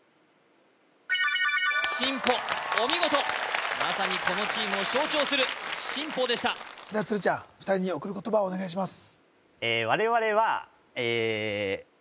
お見事まさにこのチームを象徴する進歩でしたでは鶴ちゃん２人に送る言葉をお願いします